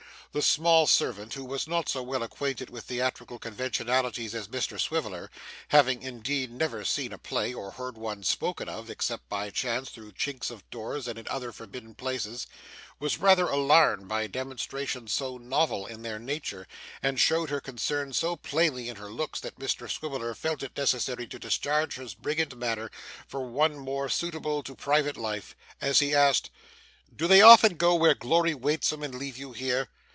The small servant, who was not so well acquainted with theatrical conventionalities as Mr Swiveller (having indeed never seen a play, or heard one spoken of, except by chance through chinks of doors and in other forbidden places), was rather alarmed by demonstrations so novel in their nature, and showed her concern so plainly in her looks, that Mr Swiveller felt it necessary to discharge his brigand manner for one more suitable to private life, as he asked, 'Do they often go where glory waits 'em, and leave you here?